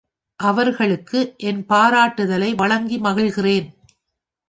அவர்களுக்கு என் பாராட்டுதலை வழங்கி மகிழ்கிறேன்.